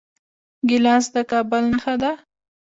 ګیلاس د کابل نښه ده.